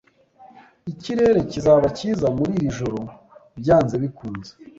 Ikirere kizaba cyiza muri iri joro byanze bikunze